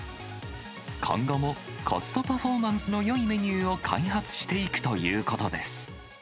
今後もコストパフォーマンスのよいメニューを開発していくということです。